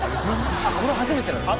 これ初めてなんすか？